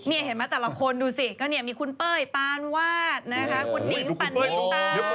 นี่เห็นไหมแต่ละคนดูสิก็เนี่ยมีคุณเป้ยปานวาดนะคะคุณนิ้งปันนิตา